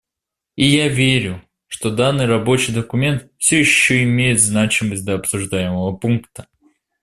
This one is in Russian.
И я верю, что данный рабочий документ все еще имеет значимость для обсуждаемого пункта.